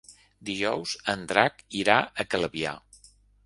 Dijous en Drac irà a Calvià.